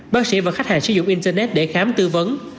bác sĩ và khách hàng sử dụng internet để khám tư vấn